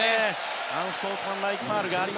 アンスポーツマンライクファウル。